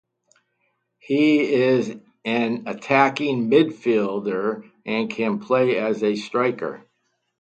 He is an attacking midfielder and can play as a striker.